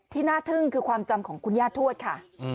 ที่น่าทึ่งคือความจำของคุณญาติถวัด